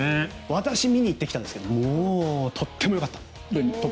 私見に行ってきたんですがもうとってもよかった。